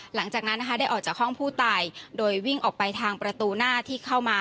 หลังจากนั้นนะคะได้ออกจากห้องผู้ตายโดยวิ่งออกไปทางประตูหน้าที่เข้ามา